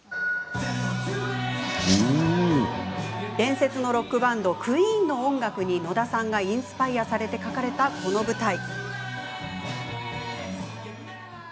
伝説のロックバンドＱＵＥＥＮの音楽に野田さんがインスパイアされて書かれた、この舞台。